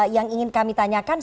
yang ingin kami tanyakan